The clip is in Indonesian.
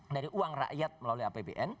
dari uang rakyat melalui apbn